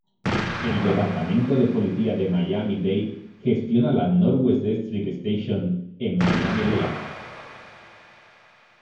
El Departamento de Policía de Miami-Dade gestiona la "Northwest District Station" en Miami Lakes.